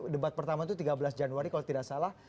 debat pertama itu tiga belas januari kalau tidak salah